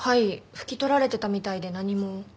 拭き取られてたみたいで何も。